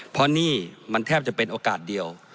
เพราะนี่มันแทบจะเป็นโอกาสเดียว